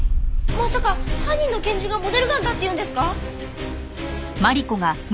まさか犯人の拳銃がモデルガンだっていうんですか！？